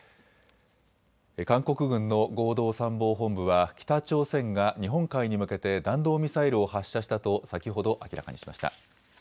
韓国軍の合同参謀本部は北朝鮮が日本海に向けて弾道ミサイルを発射したと先ほど明らかにしました。